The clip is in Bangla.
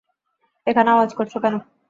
এখানে আওয়াজ করছো কেন?